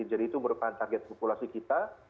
jadi itu merupakan target populasi kita